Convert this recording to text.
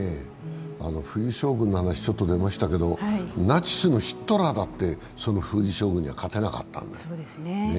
冬将軍の話がちょっと出ましたけど、ナチスのヒトラーだってその冬将軍には勝てなかった。